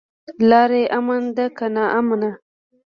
لاره يې امن ده که ناامنه؟